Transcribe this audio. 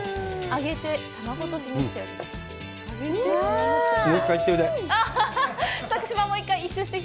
揚げて卵とじにして。